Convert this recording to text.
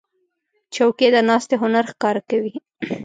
چوکۍ د ناستې هنر ښکاره کوي.